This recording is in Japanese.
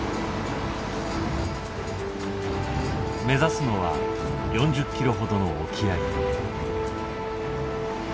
目指すのは４０ｋｍ程の沖合。